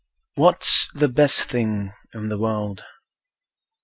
What's the best thing in the world?